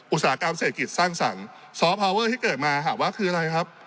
อุตสาหกรรมเศรษฐกิจสร้างสรรค์ที่เกิดมาค่ะว่าคืออะไรครับ